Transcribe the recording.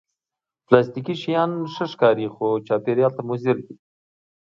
پلاستيکي شیان ښه ښکاري، خو چاپېریال ته مضر دي